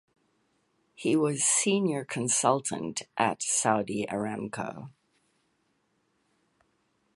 He was senior consultant at Saudi Aramco.